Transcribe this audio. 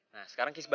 nah sekarang kiss bye